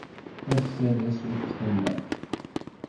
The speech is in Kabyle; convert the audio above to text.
Ass-a d ass n utqelleq.